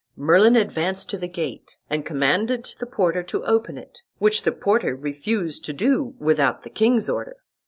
Merlin advanced to the gate, and commanded the porter to open it, which the porter refused to do, without the king's order.